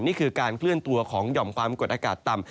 นี่คือการเคลื่อนตัวของหย่อมความกดอากาศต่ำ